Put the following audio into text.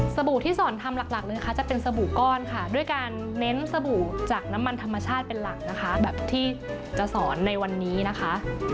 บู่ที่สอนทำหลักนะคะจะเป็นสบู่ก้อนค่ะด้วยการเน้นสบู่จากน้ำมันธรรมชาติเป็นหลักนะคะแบบที่จะสอนในวันนี้นะคะ